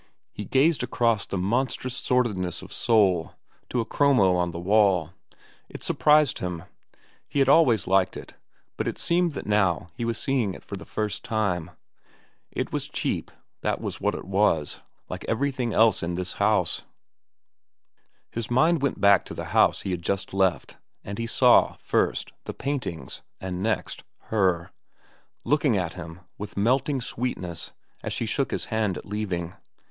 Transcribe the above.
He gazed across the monstrous sordidness of soul to a chromo on the wall. It surprised him. He had always liked it, but it seemed that now he was seeing it for the first time. It was cheap, that was what it was, like everything else in this house. His mind went back to the house he had just left, and he saw, first, the paintings, and next, Her, looking at him with melting sweetness as she shook his hand at leaving.